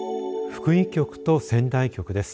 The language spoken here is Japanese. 福井局と仙台局です。